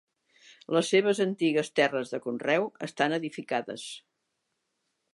Les seves antigues terres de conreu estan edificades.